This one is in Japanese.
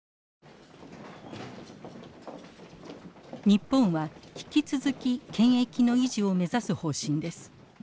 日本は引き続き権益の維持を目指す方針です。